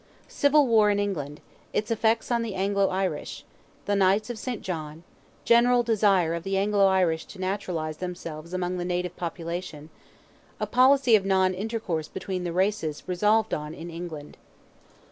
CIVIL WAR IN ENGLAND—ITS EFFECTS ON THE ANGLO IRISH—THE KNIGHTS OF SAINT JOHN—GENERAL DESIRE OF THE ANGLO IRISH TO NATURALIZE THEMSELVES AMONG THE NATIVE POPULATION—A POLICY OF NON INTERCOURSE BETWEEN THE RACES RESOLVED ON IN ENGLAND.